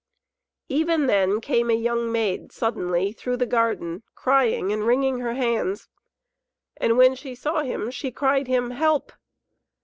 Even then came a young maid suddenly through the garden crying and wringing her hands. And when she saw him she cried him help.